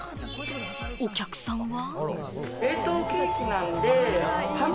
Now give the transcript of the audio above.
お客さんは。